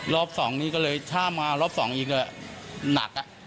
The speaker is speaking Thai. รอบ๒นี้ก็เลยช่ามารอบ๒อีกเลยหนัก